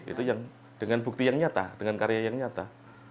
itu yang dengan bukti yang nyata dengan karya yang nyata